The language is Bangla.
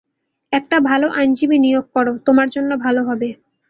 একটা ভালো আইনজীবী নিয়োগ করো, তোমার জন্য ভালো হবে।